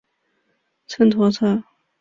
秤砣草